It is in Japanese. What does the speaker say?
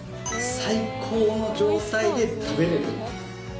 最高の状態で食べれる。